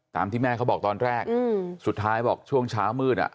ตามที่แม่เขาบอกตอนแรกสุดท้ายบอกช่วงเช้ามืด